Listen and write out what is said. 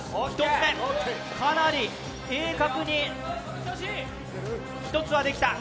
１つ目、かなり鋭角に１つはできた。